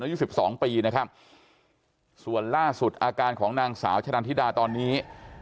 อายุสิบสองปีนะครับส่วนล่าสุดอาการของนางสาวชะนันทิดาตอนนี้